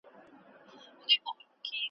پکښی ځای سوي دي .